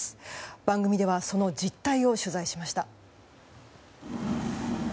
番組ではその実態を取材しました。